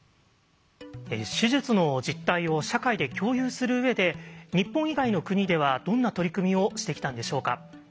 手術の実態を社会で共有する上で日本以外の国ではどんな取り組みをしてきたんでしょうか。